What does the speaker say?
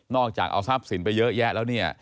อกจากเอาทรัพย์สินไปเยอะแยะแล้วเนี่ย